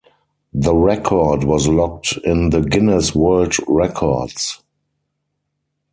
The record was logged in the Guinness World Records.